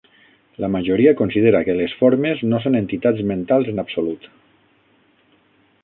La majoria considera que les formes no són entitats mentals en absolut.